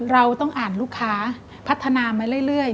เราต้องอ่านลูกค้าพัฒนามาเรื่อย